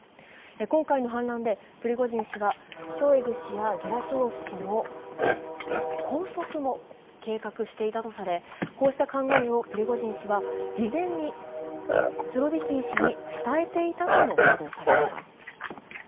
今回の反乱で、プリゴジン氏はショイグ氏やゲラシモフ氏の拘束も計画していたとされ、こうした考えをプリゴジン氏は事前にスロビキン氏に伝えていたとも報道されています。